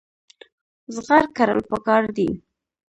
زغر کرل پکار دي.